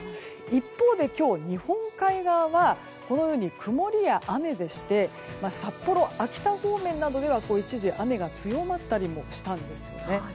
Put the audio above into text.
一方で今日、日本海側は曇りや雨でして札幌、秋田方面などでは一時、雨が強まったりもしたんですよね。